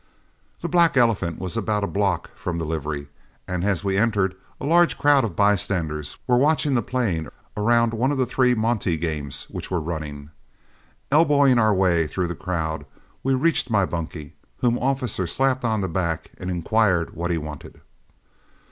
The Black Elephant was about a block from the livery, and as we entered, a large crowd of bystanders were watching the playing around one of the three monte games which were running. Elbowing our way through the crowd, we reached my bunkie, whom Officer slapped on the back and inquired what he wanted.